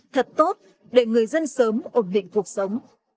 thật tốt để người dân sớm ổn định cuộc sống